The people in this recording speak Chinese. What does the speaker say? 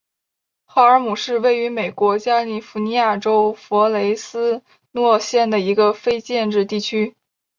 赫尔姆是位于美国加利福尼亚州弗雷斯诺县的一个非建制地区。